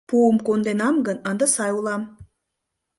Пуым конденам гын, ынде сай улам.